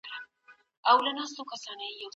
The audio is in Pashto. ژبي د ویونکو دا موقف، د فارسي ژبي او فرهنګ